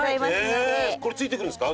これ付いてくるんですか？